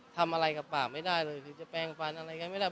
ทำอะไรกับปากไม่ได้เลยถึงจะแปลงฟันอะไรกันไม่ได้